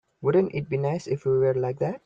Wouldn't it be nice if we were like that?